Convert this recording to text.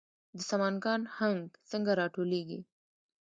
د سمنګان هنګ څنګه راټولیږي؟